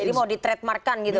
jadi mau di trademarkan gitu